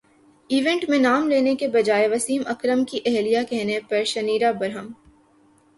event میں نام لینے کے بجائے وسیم اکرم کی اہلیہ کہنے پر شنیرا برہم